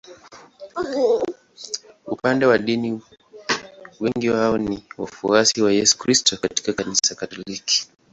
Upande wa dini wengi wao ni wafuasi wa Yesu Kristo katika Kanisa Katoliki.